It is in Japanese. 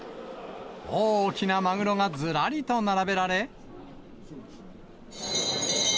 大きなマグロがずらりと並べられ。